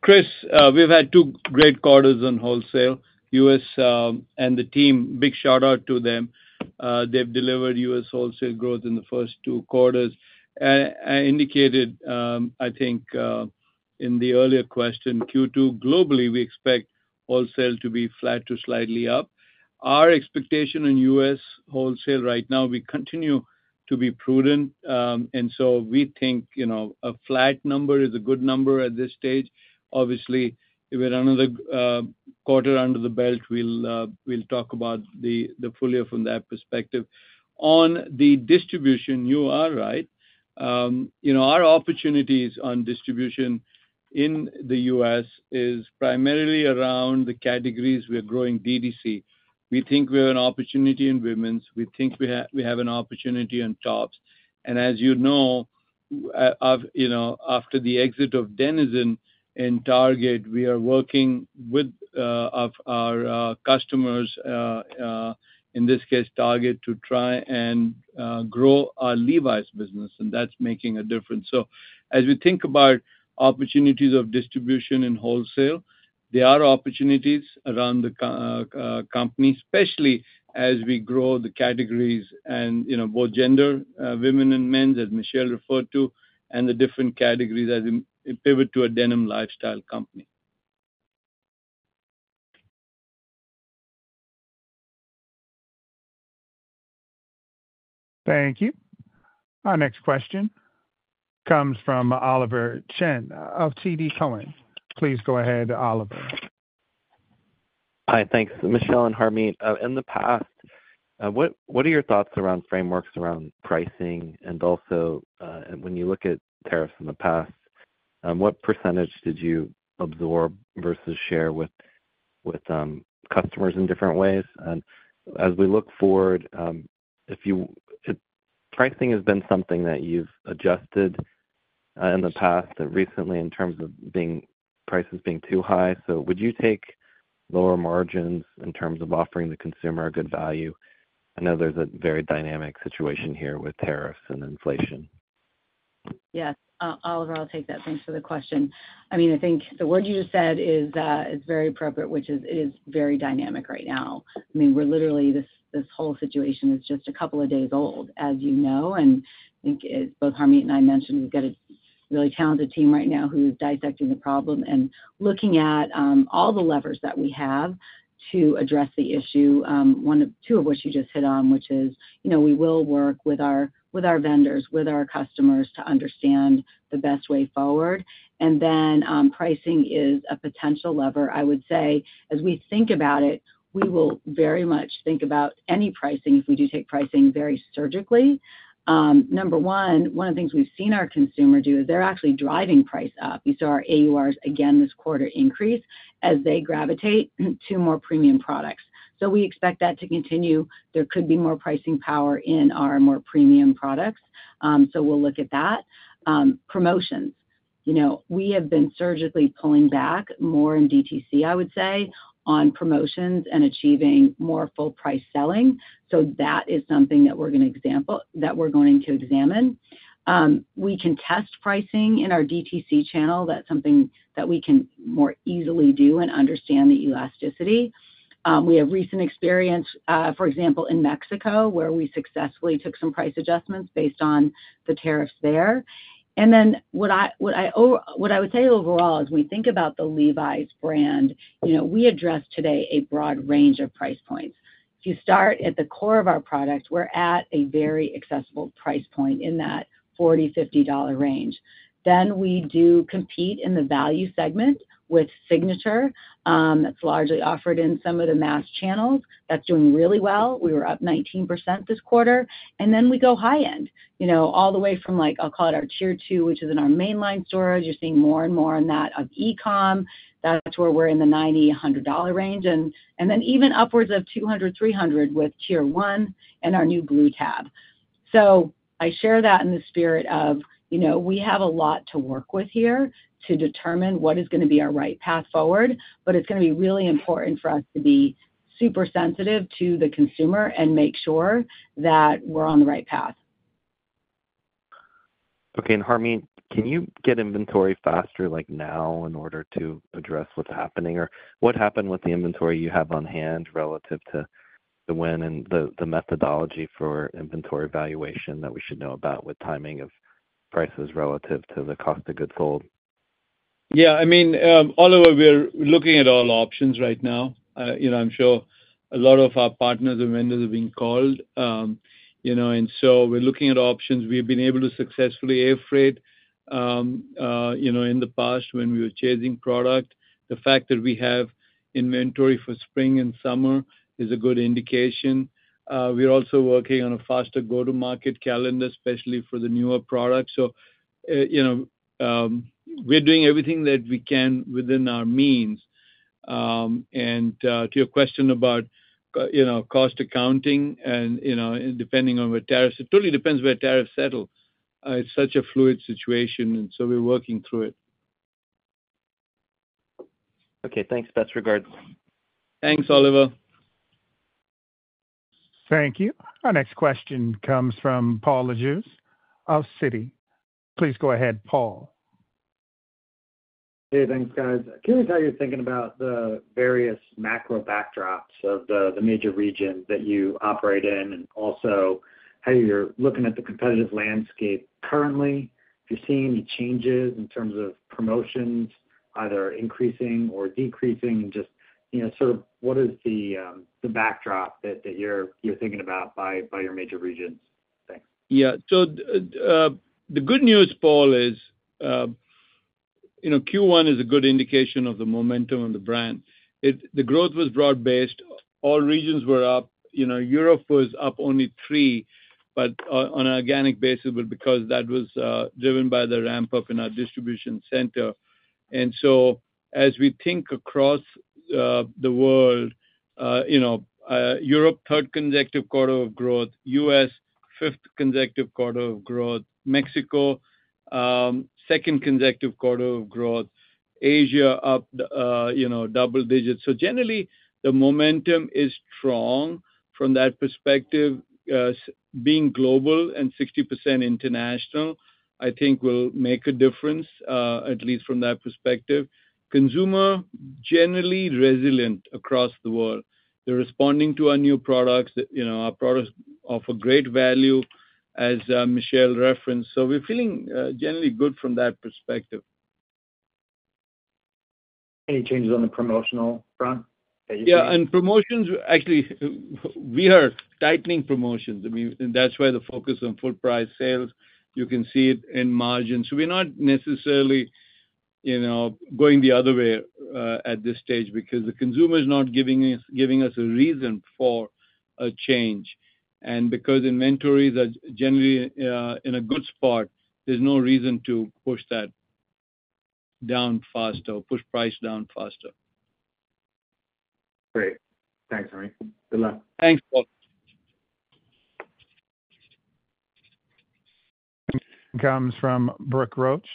Chris, we've had two great quarters in Wholesale. U.S. and the team, big shout-out to them. They've delivered U.S. Wholesale Growth in the first two quarters. I indicated, I think, in the earlier question, Second Quarter globally, we expect wholesale to be flat to slightly up. Our expectation in U.S. Wholesale right now, we continue to be prudent. We think a flat number is a good number at this stage. Obviously, if we're another quarter under the belt, we'll talk about the fullier from that perspective. On the distribution, you are right. Our opportunities on distribution in the U.S. is primarily around the categories we're growing DTC. We think we have an opportunity in Women's. We think we have an opportunity in tops. And as you know, after the exit of Denizen and Target, we are working with our customers, in this case, Target, to try and grow our Levi's business. That's making a difference. As we think about opportunities of distribution in Wholesale, there are opportunities around the company, especially as we grow the categories and both gender, women and men, as Michelle referred to, and the different categories as we pivot to a denim lifestyle company. Thank you. Our next question comes from Oliver Chen of TD Cowen. Please go ahead, Oliver. Hi, thanks. Michelle and Harmit, in the past, what are your thoughts around frameworks around pricing? Also, when you look at tariffs in the past, what percentage did you absorb versus share with customers in different ways? As we look forward, Pricing has been something that you've adjusted in the past and recently in terms of prices being too high. Would you take lower margins in terms of offering the consumer a good value? I know there's a very dynamic situation here with tariffs and inflation. Yes. Oliver, I'll take that. Thanks for the question. I mean, I think the word you just said is very appropriate, which is it is very dynamic right now. I mean, literally, this whole situation is just a couple of days old, as you know. I think both Harmit and I mentioned we've got a really talented team right now who is dissecting the problem and looking at all the levers that we have to address the issue, two of which you just hit on, which is we will work with our vendors, with our customers to understand the best way forward. Pricing is a potential lever, I would say. As we think about it, we will very much think about any pricing, if we do take pricing, very surgically. Number one, one of the things we've seen our consumer do is they're actually driving price up. You saw our AURs again this quarter increase as they gravitate to more premium products. We expect that to continue. There could be more pricing power in our more premium products. We'll look at that. Promotions. We have been surgically pulling back more in DTC, I would say, on promotions and achieving more full-price selling. That is something that we're going to examine. We can test pricing in our DTC channel. That's something that we can more easily do and understand the elasticity. We have recent experience, for example, in Mexico, where we successfully took some price adjustments based on the tariffs there. What I would say overall, as we think about the Levi's brand, we address today a broad range of price points. If you start at the core of our product, we're at a very accessible price point in that $40 to $50 range. We do compete in the value segment with Signature. That's largely offered in some of the mass channels. That's doing really well. We were up 19% this quarter. We go high-end all the way from, I'll call it our tier two, which is in our mainline stores. You're seeing more and more in that of E-commerce. That's where we're in the $90, $100 range. Then even upwards of $200, $300 with tier one and our new Blue Tab. I share that in the spirit of we have a lot to work with here to determine what is going to be our right path forward, but it's going to be really important for us to be super sensitive to the consumer and make sure that we're on the right path. Okay. Harmit, can you get Inventory faster now in order to address what's happening? What happened with the Inventory you have on hand relative to the win and the methodology for inventory evaluation that we should know about with timing of prices relative to the cost of goods sold? I mean, Oliver, we're looking at all options right now. I'm sure a lot of our partners and vendors are being called. We're looking at options. We've been able to successfully air freight in the past when we were chasing product. The fact that we have inventory for spring and summer is a good indication. We're also working on a faster go-to-market calendar, especially for the newer products. We're doing everything that we can within our means. To your question about cost accounting and depending on where tariffs, it totally depends where tariffs settle. It's such a fluid situation. We're working through it. Okay. Thanks. Best regards. Thanks, Oliver. Thank you. Our next question comes from Paul Lejuez of Citi Group. Please go ahead, Paul. Hey, thanks, guys. Can we tell you thinking about the various macro backdrops of the major Region that you operate in, and also how you're looking at the Competitive Landscape currently? If you're seeing any changes in terms of Promotions, either increasing or decreasing, and just sort of what is the backdrop that you're thinking about by your major Regions? Thanks. The good news, Paul, is First Quarter is a good indication of the Momentum of the Brand. The growth was broad-based. All Regions were up. Europe was up only three, but on an organic basis because that was driven by the ramp-up in our Distribution Center. As we think across the world, Europe third consecutive quarter of growth, U.S. Fifth consecutive quarter of growth, Mexico second consecutive quarter of growth, Asia up double digits. Generally, the Momentum is strong from that perspective. Being global and 60% international, I think, will make a difference, at least from that perspective. Consumer generally resilient across the world. They're responding to our new products. Our products offer great value, as Michelle referenced. We're feeling generally good from that perspective. Any changes on the Promotional front? Promotions, actually, we are tightening Promotions. I mean, that's why the focus on full-price sales. You can see it in margins. We're not necessarily going the other way at this stage because the Consumer is not giving us a reason for a change. Because inventories are generally in a good spot, there's no reason to push that down faster or push price down faster. Great. Thanks, Harmit. Good luck. Thanks, Paul. Comes from Brooke Roach.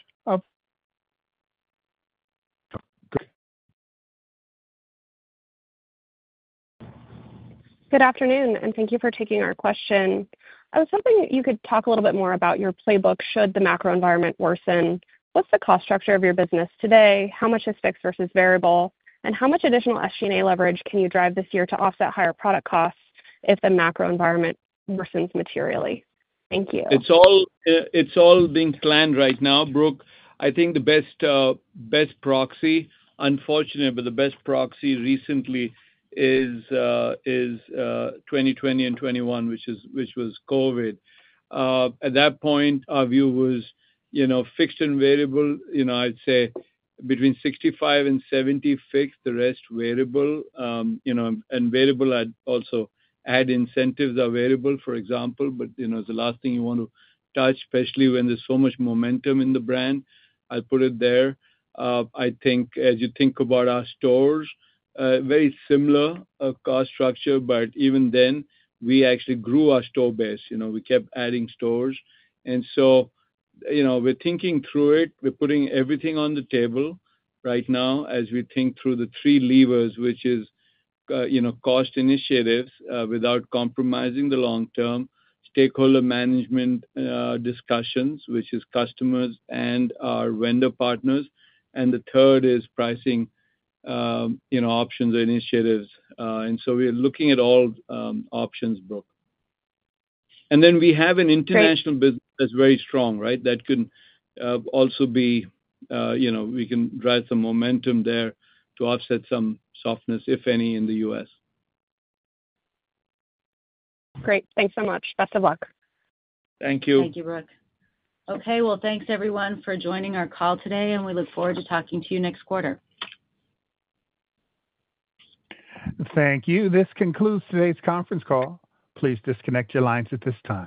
Good afternoon, and thank you for taking our question. I was hoping you could talk a little bit more about your playbook should the Macro Environment worsen. What's the Cost Structure of your business today? How much is fixed versus variable? And how much additional Selling, General and Administration (SG&A) leverage can you drive this year to offset higher product costs if the Macro Environment worsens materially? Thank you. It's all being planned right now, Brooke. I think the best proxy, unfortunately, but the best proxy recently is 2020 and 2021, which was COVID. At that point, our view was fixed and variable. I'd say between 65% and 70% fixed, the rest variable. And variable also had incentives available, for example. It's the last thing you want to touch, especially when there's so much Momentum in the brand. I'll put it there. I think as you think about our stores, very similar Cost Structure, but even then, we actually grew our store base. We kept adding stores. We are thinking through it. We are putting everything on the table right now as we think through the three levers, which is cost initiatives without compromising the long-term, stakeholder management discussions, which is customers and our vendor partners. The third is pricing options or initiatives. We are looking at all options, Brooke. We have an international business that is very strong, right? That could also be we can drive some momentum there to offset some softness, if any, in the U.S. Great. Thanks so much. Best of luck. Thank you. Thank you, Brooke. Okay. Thank you, everyone, for joining our call today, and we look forward to talking to you next quarter. Thank you. This concludes today's conference call. Please disconnect your lines at this time.